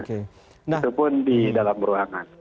itu pun di dalam ruangan